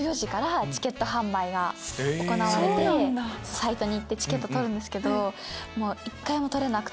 サイトに行ってチケット取るんですけど１回も取れなくて。